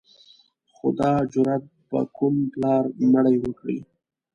خو دا جرأت به کوم پلار مړی وکړي.